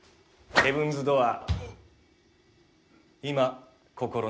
ヘブンズ・ドアー。